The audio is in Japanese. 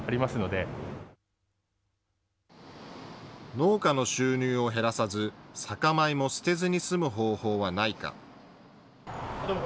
農家の収入を減らさず酒米も捨てずに済む方法はないか。